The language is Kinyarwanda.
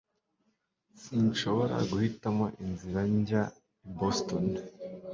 Sinshobora guhitamo inzira njya i Boston